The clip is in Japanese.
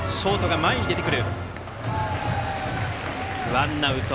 ワンアウト。